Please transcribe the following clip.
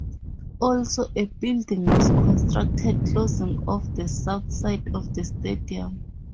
Also, a building was constructed, closing off the south side of the stadium.